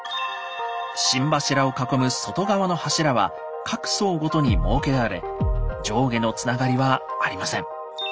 心柱を囲む外側の柱は各層ごとに設けられ上下のつながりはありません。